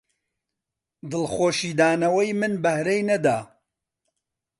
دڵخۆشی دانەوەی من بەهرەی نەدا